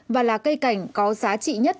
và là cây cảnh có giá trị nhất